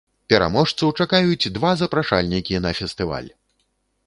Пераможцу чакаюць два запрашальнікі на фестываль!